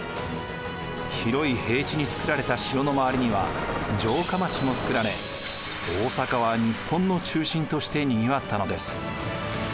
広い平地に造られた城の周りには城下町も造られ大坂は日本の中心としてにぎわったのです。